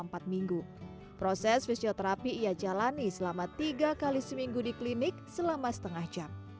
proses fisioterapi ia jalani selama tiga kali seminggu di klinik selama setengah jam